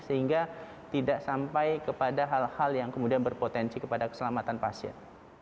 sehingga tidak sampai kepada hal hal yang kemudian berpotensi kepada keselamatan pasien